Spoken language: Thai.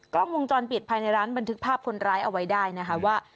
กล้องวงจรปิดภายในร้านบันทึกภาพคนร้ายเอาไว้ได้นะคะว่า